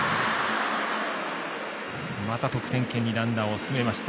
また得点圏にランナーを進めました。